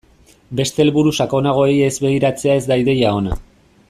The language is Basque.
Beste helburu sakonagoei ez begiratzea ez da ideia ona.